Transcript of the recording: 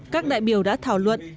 các đại biểu đã thảo luận